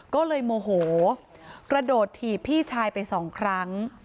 ก็เลยโมโหกระโดดถีบพี่ชายไปสองครั้ง